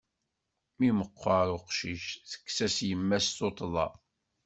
Mi meqqer uqcic, tekkes-as yemma-s tuṭṭḍa.